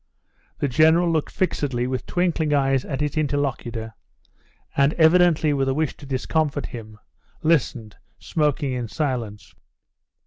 The General looked fixedly with twinkling eyes at his interlocutor, and, evidently with a wish to discomfit him, listened, smoking in silence.